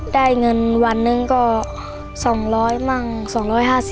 ได้เงินวันหนึ่งก็๒๐๐มั่ง๒๕๐บาท